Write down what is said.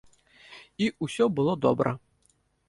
І ўсё было добра!